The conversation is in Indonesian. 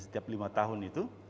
setiap lima tahun itu